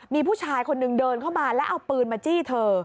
มีผู้ชายคนนึงเดินเข้ามาแล้วเอาปืนมาจี้เธอ